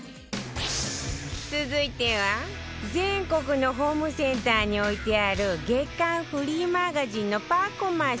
続いては全国のホームセンターに置いてある月刊フリーマガジンの『Ｐａｃｏｍａ』さん